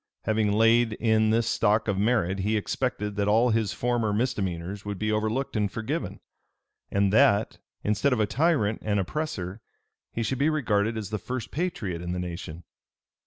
Having laid in this stock of merit, he expected that all his former misdemeanors would be overlooked and forgiven; and that, instead of a tyrant and oppressor, he should be regarded as the first patriot in the nation.